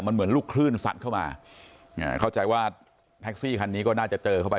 มันเหมือนลูกคลื่นสัดเข้ามาเข้าใจว่าแท็กซี่คันนี้ก็น่าจะเจอเข้าไป